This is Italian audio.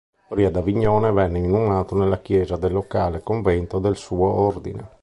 Morì ad Avignone e venne inumato nella chiesa del locale convento del suo ordine.